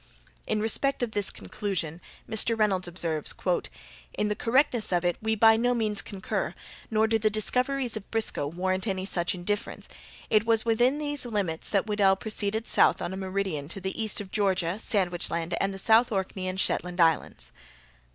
In respect to this conclusion Mr. Reynolds observes: "In the correctness of it we by no means concur; nor do the discoveries of Briscoe warrant any such indifference. It was within these limits that Weddel proceeded south on a meridian to the east of Georgia, Sandwich Land, and the South Orkney and Shetland islands."